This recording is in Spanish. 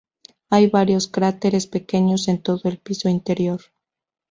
Hay varios cráteres pequeños en todo el piso interior.